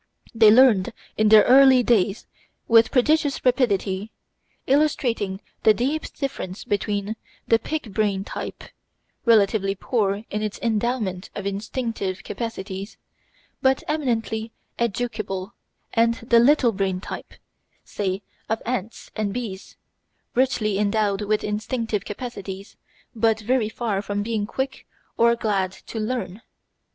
They learned in their early days with prodigious rapidity, illustrating the deep difference between the "big brain" type, relatively poor in its endowment of instinctive capacities, but eminently "educable," and the "little brain" type, say, of ants and bees, richly endowed with instinctive capacities, but very far from being quick or glad to learn.